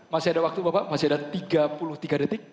masih ada waktu bapak masih ada tiga puluh tiga detik